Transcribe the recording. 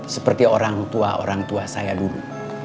seperti orang tua orang tua saya dulu